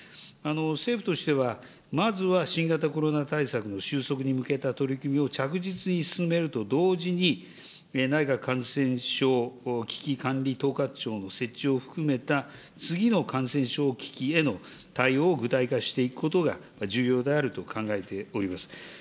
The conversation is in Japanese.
政府としては、まずは新型コロナ対策の収束に向けた取り組みを着実に進めると同時に、内閣感染症危機管理統括庁の設置を含めた次の感染症危機への対応を具体化していくことが重要であると考えております。